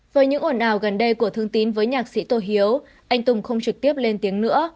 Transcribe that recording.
với những ồn ào gần đây của thương tín với nhạc sĩ tô hiếu anh tùng không trực tiếp lên tiếng nữa